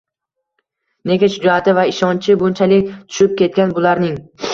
Nega shijoati va ishonchi bunchalik tushib ketgan bularning?